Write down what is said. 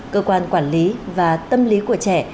cơ quan quản lý và tâm lý của trẻ